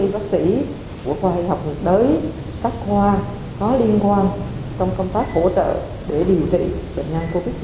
bác sĩ của khoa học hợp đới các khoa có liên quan trong công tác hỗ trợ để điều trị bệnh nhân covid một mươi chín